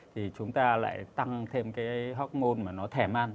thì chúng ta lại tăng thêm cái hormone mà nó thèm ăn